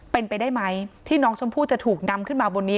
เป็นไปได้ไหมที่น้องชมพู่จะถูกนำขึ้นมาบนนี้